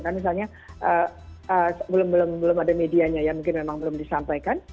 kan misalnya belum ada medianya ya mungkin memang belum disampaikan